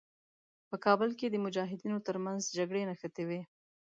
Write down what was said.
په کابل کې د مجاهدینو تر منځ جګړې نښتې وې.